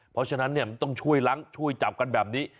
เพราะฉะนั้นมันต้องช่วยล้างช่วยจับกันแบบนี้